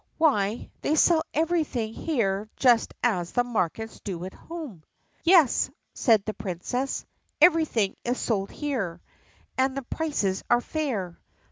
"Why, they sell everything here just as the markets do at home!" "Yes," said the Princess, "everything is sold here. And the prices are fair.